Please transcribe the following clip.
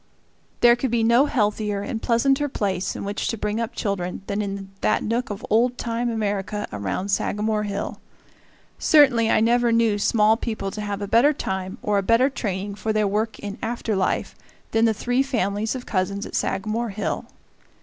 There could be no healthier and pleasanter place in which to bring up children than in that nook of old time America around Sagamore Hill. Certainly I never knew small people to have a better time or a better training for their work in after life than the three families of cousins at Sagamore Hill.